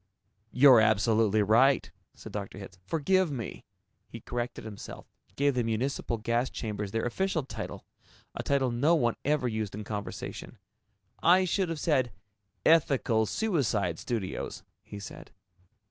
"You're absolutely right," said Dr. Hitz. "Forgive me." He corrected himself, gave the municipal gas chambers their official title, a title no one ever used in conversation. "I should have said, 'Ethical Suicide Studios,'" he said.